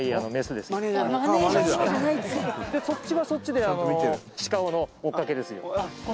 そっちはそっちでシカオの追っかけですよ・あっ